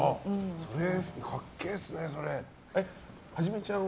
それ、かっけえっすね。